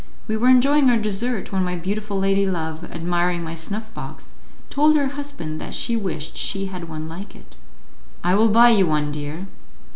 We were enjoying our dessert, when my beautiful lady love, admiring my snuff box, told her husband that she wished she had one like it. "I will buy you one, dear."